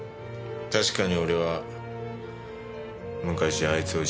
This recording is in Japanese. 確かに俺は昔あいつをしごいた。